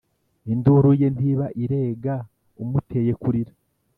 induru ye ntiba irega umuteye kurira?